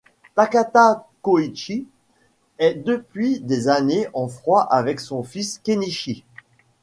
Takata Kôichi est depuis des années en froid avec son fils Kenichi.